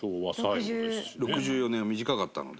伊達：６４年は短かったので。